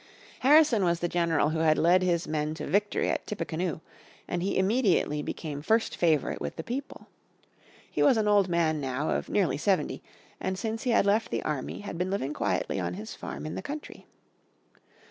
Harrison was the general who had led his men to victory at Tippecanoe, and he immediately became first favourite with the people. He was an old man now of nearly seventy, and since he had left the army had been living quietly on his farm in the country.